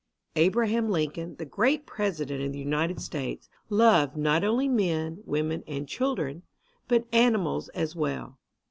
COE Abraham Lincoln, the great President of the United States, loved not only men, women and children, but animals as well.